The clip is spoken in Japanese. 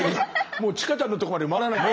もう千佳ちゃんのとこまで回らないもん。